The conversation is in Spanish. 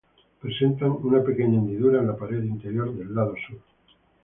Presenta una pequeña hendidura en la pared interior del lado sur.